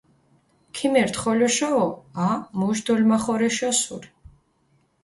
ქიმერთ ხოლოშავო, ა, მუში დელმახორეშ ოსური.